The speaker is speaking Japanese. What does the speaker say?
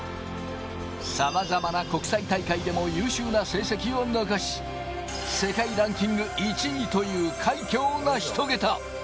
さまざまな国際大会でも優秀な成績を残し、世界ランキング１位という快挙を成し遂げた。